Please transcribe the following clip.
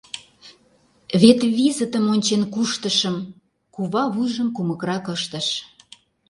Вет визытым ончен куштышым! — кува вуйжым кумыкрак ыштыш.